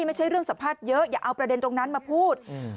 ไม่ใช่เรื่องสัมภาษณ์เยอะอย่าเอาประเด็นตรงนั้นมาพูด